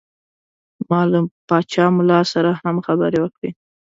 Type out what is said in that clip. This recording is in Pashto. ما له پاچا ملا سره هم خبرې وکړې.